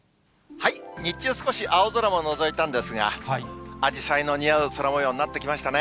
日中、少し青空ものぞいたんですが、あじさいの似合う空もようになってきましたね。